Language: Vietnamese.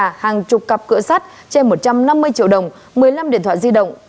thu giữ ba con gà hàng chục cặp cửa sắt trên một trăm năm mươi triệu đồng một mươi năm điện thoại di động